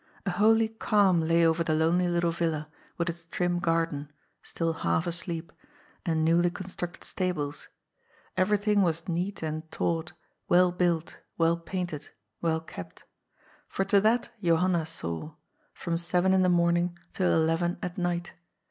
A holy calm lay over the lonely little villa, with its trim garden — still half asleep — ^and newly constructed stables. Everything was neat and taut, well built, well painted, well kept. For to that Johanna saw — ^f rom seven in the morning till eleven at night.